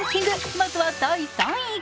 まずは第３位。